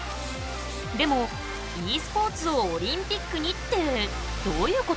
でも「ｅスポーツをオリンピックに」ってどういうこと？